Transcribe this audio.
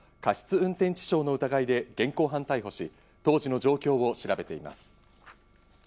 運転致傷の疑いで現行犯逮捕し、当時の状況を調べています。